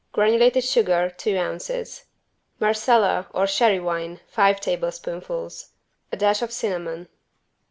Granulated sugar, two ounces. Marsala or sherry wine, five tablespoonfuls. A dash of cinnamon.